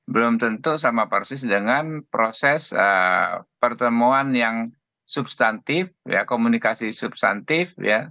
belum tentu sama persis dengan proses pertemuan yang substantif komunikasi substantif